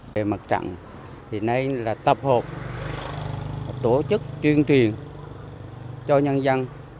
về mặt trận thì nay là tập hợp tổ chức truyền truyền cho nhân dân